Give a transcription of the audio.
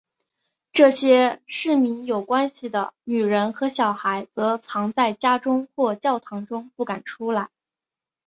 与这些市民有关系的女人和小孩则藏在家中或教堂中不敢出来。